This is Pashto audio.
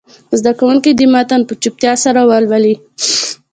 زده کوونکي دې متن په چوپتیا سره ولولي.